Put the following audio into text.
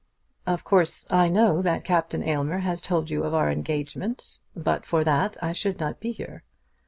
"Of course I know that Captain Aylmer has told you of our engagement. But for that, I should not be here."